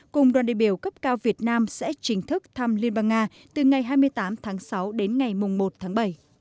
cùng đoàn đề biểu cấp cao việt nam sẽ chính thức thăm liên bang nga từ ngày hai mươi tám tháng sáu đến ngày một tháng bảy